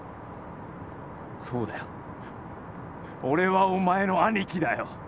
そうだよ俺はお前の兄貴だよ